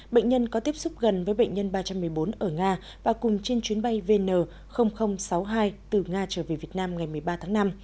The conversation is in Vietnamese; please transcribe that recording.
bệnh nhân có tiếp xúc gần với bệnh nhân ba trăm một mươi bốn ở nga và cùng trên chuyến bay vn sáu mươi hai từ nga trở về việt nam ngày một mươi ba tháng năm